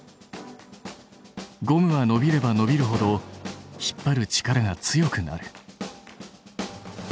ゴムはのびればのびるほど引っ張る力が強くなる。